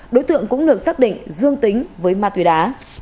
đối tượng cũng được xác định dương tính với ma túy đá